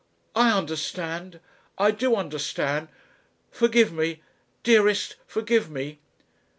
I understand. I do understand. Forgive me. Dearest forgive me."